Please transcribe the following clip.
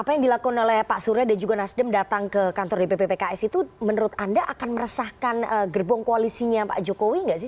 apa yang dilakukan oleh pak surya dan juga nasdem datang ke kantor dpp pks itu menurut anda akan meresahkan gerbong koalisinya pak jokowi nggak sih